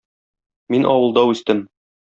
Мин авылда үстем.